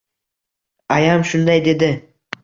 Ayam shunday dedi